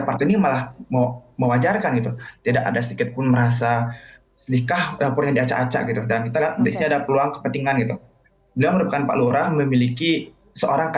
penting melalui tahun untuk melakukan arah koalisi